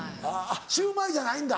あっシューマイじゃないんだ。